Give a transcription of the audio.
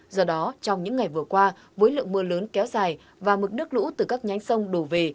do đó trong những ngày vừa qua với lượng mưa lớn kéo dài và mực nước lũ từ các nhánh sông đổ về